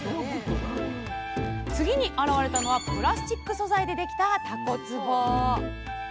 次に現れたのはプラスチック素材でできたたこつぼ。